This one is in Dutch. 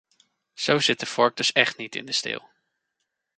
Zo zit de vork dus echt niet in de steel!